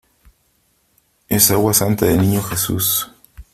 ¡ es agua santa del Niño Jesús !